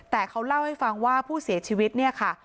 แต่เขาเล่าให้ฟังว่าผู้เสียชีวิตเนี่ยค่ะ